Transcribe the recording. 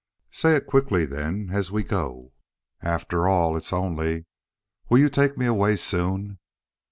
"Say it quickly, then, as we go." "After all, it's only will you take me away soon?"